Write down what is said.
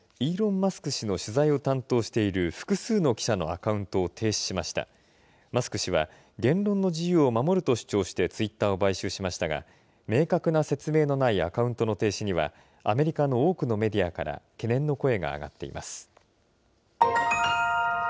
マスク氏は、言論の自由を守るとしてツイッターを買収しましたが、明確な説明のないアカウントの停止には、アメリカの多くのメディアから懸念の声が上がっています。